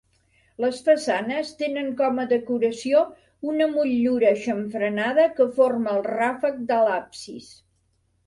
Les façanes tenen com a decoració una motllura aixamfranada que forma el ràfec de l'absis.